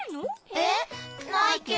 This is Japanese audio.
えっ？ないけど。